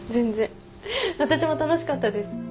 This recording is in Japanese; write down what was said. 私も楽しかったです。